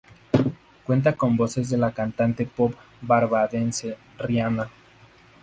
Cuenta con voces de la cantante pop barbadense Rihanna.